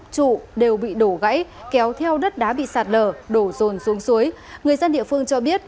trụ đều bị đổ gãy kéo theo đất đá bị sạt lở đổ rồn xuống suối người dân địa phương cho biết